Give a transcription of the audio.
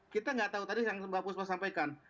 kita nggak tahu tadi yang mbak puspa sampaikan